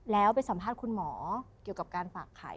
แล้วไปสัมภาษณ์คุณหมอเกี่ยวกับการฝากไข่